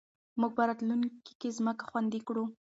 موږ به راتلونکې کې ځمکه خوندي کړو.